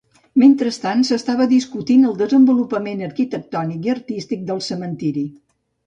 Mentrestant s'estava discutint el desenvolupament arquitectònic i artístic del cementiri.